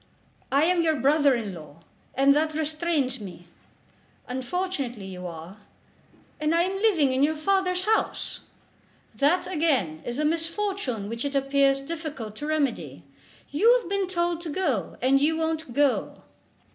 "I am your brother in law, and that restrains me." "Unfortunately you are." "And am living in your father's house." "That, again, is a misfortune which it appears difficult to remedy. You have been told to go, and you won't go."